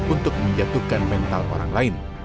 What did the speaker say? untuk menjatuhkan mental orang lain